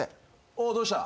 おおどうした？